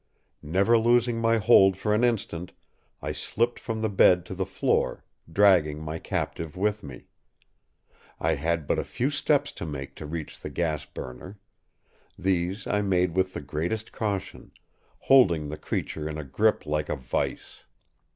Never losing my hold for an instant, I slipped from the bed to the floor, dragging my captive with me. I had but a few steps to make to reach the gas burner; these I made with the greatest caution, holding the creature in a grip like a vice.